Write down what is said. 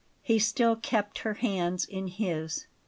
He still kept her hands in his.